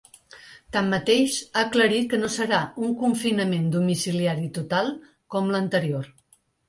Tanmateix, ha aclarit que no serà un confinament domiciliari total, com l’anterior.